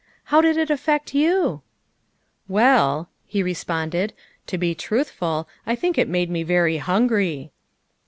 How did it affect you ?''" Well," he responded, "to be truthful, I think it made me very hungry.